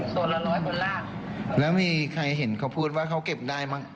ส่วนละร้อยบนล่างแล้วมีใครเห็นเขาพูดว่าเขาเก็บได้มั้ง